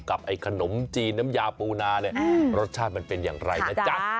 ไอ้ขนมจีนน้ำยาปูนาเนี่ยรสชาติมันเป็นอย่างไรนะจ๊ะ